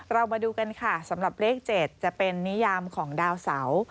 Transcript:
เรามาดูกันค่ะสำหรับเลข๗จะเป็นนิยามของดาวเสา